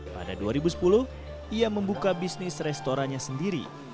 pada dua ribu sepuluh ia membuka bisnis restorannya sendiri